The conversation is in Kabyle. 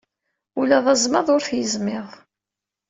Ula d azmaḍ ur t-yezmiḍ.